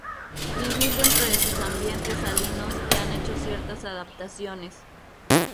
Vivir dentro de sus ambientes salinos que han hecho ciertas adaptaciones.